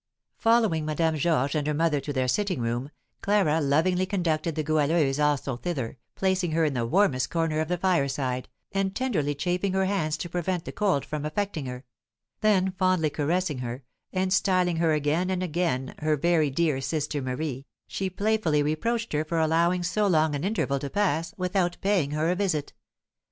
Following Madame Georges and her mother to their sitting room, Clara lovingly conducted the Goualeuse also thither, placing her in the warmest corner of the fireside, and tenderly chafing her hands to prevent the cold from affecting her; then fondly caressing her, and styling her again and again her very dear sister Marie, she playfully reproached her for allowing so long an interval to pass away without paying her a visit.